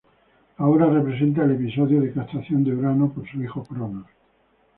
La obra representa el episodio de la castración de Urano por su hijo Cronos.